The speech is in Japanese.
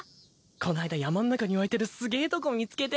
こないだ山ん中に湧いてるすげぇとこ見つけて。